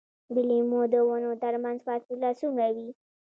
د لیمو د ونو ترمنځ فاصله څومره وي؟